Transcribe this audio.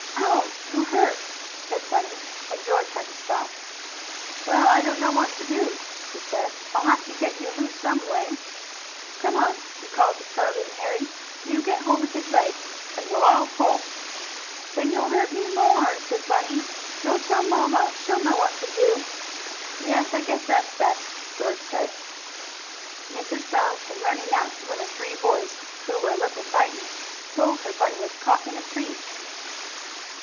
"Ouch! You hurt!" said Bunny, and George had to stop. "Well, I don't know what to do," he said. "I'll have to get you loose some way. Come on," he called to Charlie and Harry. "You get hold of his leg and we'll all pull." "Then you'll hurt me more," said Bunny. "Go tell mamma. She will know what to do!" "Yes, I guess that's best," George said. Mrs. Brown came running out when the three boys, who were a little frightened, told her Bunny was caught in a tree.